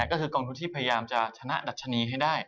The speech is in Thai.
คุณผู้ที่พยายามจะชนะดัชนีให้ได้